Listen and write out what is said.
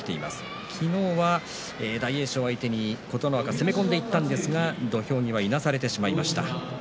昨日は大栄翔相手に琴ノ若攻め込んでいったんですが土俵際、いなされてしまいました。